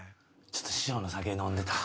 ちょっと師匠の酒飲んでた。